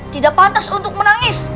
tidak pantas untuk menangis